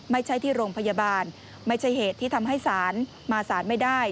ไม่ใช่ที่โรงพยาบาลไม่ใช่เหตุที่ทำให้ศาลมาสารไม่ได้